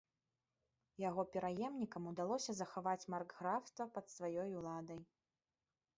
Яго пераемнікам удалося захаваць маркграфства пад сваёй уладай.